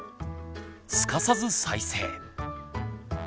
すかさず再生。